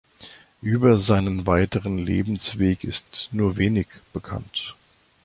Über seinen weiteren Lebensweg ist nur wenig bekannt.